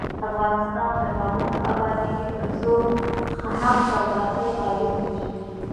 افغانستان تر هغو نه ابادیږي، ترڅو حق پر باطل غالب نشي.